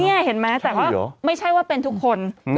นี่เห็นไหมแต่ว่าไม่ใช่ว่าเป็นทุกคน